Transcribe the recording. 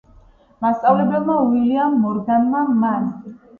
მასწავლებელმა უილიამ მორგანმა. მან